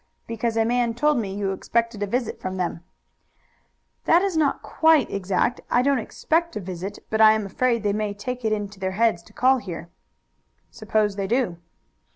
"Because a man told me you expected a visit from them." "That is not quite exact. I don't expect a visit, but I am afraid they may take it into their heads to call here." "Suppose they do."